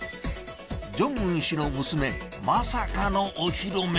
ジョンウン氏の娘、まさかのお披露目。